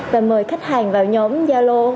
và mời khách hàng vào nhóm giao lô